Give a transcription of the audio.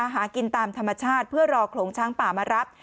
หากินตามธรรมชาติเพื่อรอโขลงช้างป่ามารับ